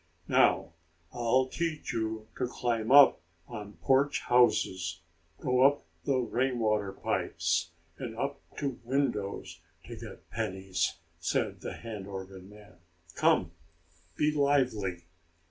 "Now I'll teach you to climb up on porch houses, go up the rain water pipes, and up to windows, to get pennies," said the hand organ man. "Come, be lively!"